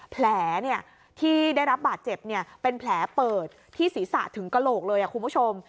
แผลที่ได้รับบาดเจ็บเป็นแผลเปิดที่ศีรษะถึงกระโหลกเลยคุณผู้ชม